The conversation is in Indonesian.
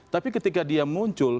tapi ketika dia muncul